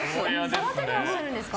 育てていらっしゃるんですか？